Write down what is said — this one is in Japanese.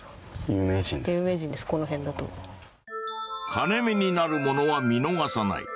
金目になるものは見逃さない。